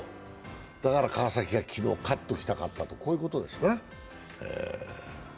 だから川崎は昨日勝っておきたかったということですな。